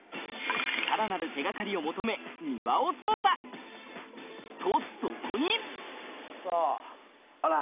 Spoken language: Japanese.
さらなる手掛かりを求めとそこにさぁあら！